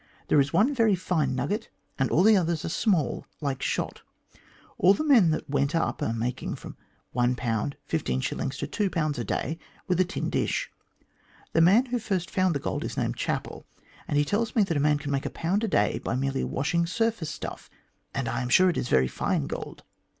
There is one very fine nugget, and all the others are small, like shot. All the men that went up are making from 1, 15s. to '2 a day with a tin dish. The man who first found the gold is named Chapel, and he tells me that a man can make 1 a day by merely washing surface stuff, and I am sure it is very fine gold.